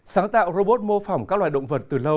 sáng tạo robot mô phỏng các loài động vật